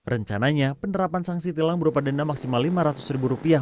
rencananya penerapan sanksi tilang berupa denda maksimal lima ratus ribu rupiah